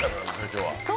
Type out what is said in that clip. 今日は。